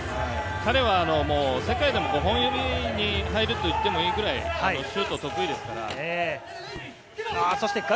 彼は世界でも５本指に入るというくらいシュートが得意ですから。